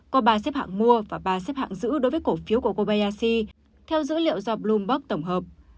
có ba xếp hạng mua và ba xếp hạng giữ đối với cổ phiếu của kobayashi theo dữ liệu do bloomberg tổng hợp